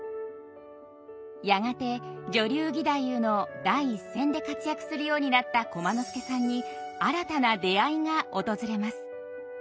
やがて女流義太夫の第一線で活躍するようになった駒之助さんに新たな出会いが訪れます。